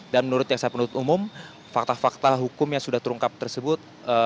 dan menurut jaksa perut umum fakta fakta hukum yang sudah terungkap tersebut